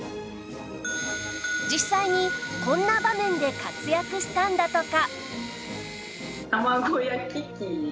実際にこんな場面で活躍したんだとか